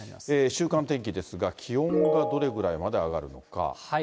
週間天気ですが、気温がどれぐらいまで上がるのか。